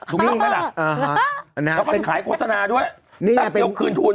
ถูกยุ่งกันอ่ะแล้วก็ขายโฆษณาด้วยตั้งเยี่ยมคืนทุน